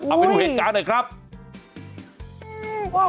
เอาเป็นเหตุการณ์หน่อยครับโอ้โฮ